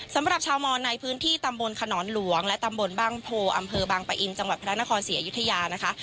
สำหรับชาวมอนในพื้นที่ตำบลขนอนหลวงและตำบลบ้างโพอำเภอบางปะอินจังหวัดพระนครศรีอยุธยานะคะ